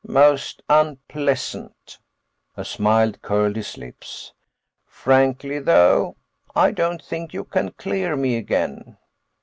"Most unpleasant." A smile curled his lips. "Frankly, though, I don't think you can clear me again."